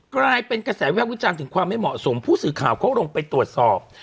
กลายเป็นกระแสวิภาควิจารณ์ถึงความไม่เหมาะสมผู้สื่อข่าวเขาลงไปตรวจสอบ